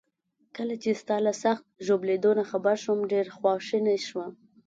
کله چي ستا له سخت ژوبلېدو نه خبر شوم، ډیر خواشینی شوم.